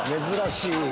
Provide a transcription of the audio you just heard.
珍しい！